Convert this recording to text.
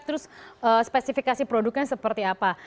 terus spesifikasi produknya seperti apa